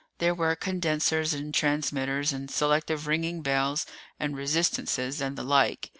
There were condensers and transmitters and selective ringing bells and resistances and the like.